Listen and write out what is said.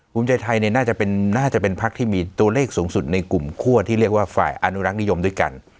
ภูมิใจไทยน่าจะเป็นพักที่มีตัวเลขสูงสุดในกลุ่มคั่วที่เรียกว่าฝ่ายอนุรักษ์นิยมด้วยกัน